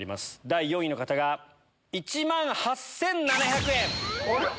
第４位の方が１万８７００円。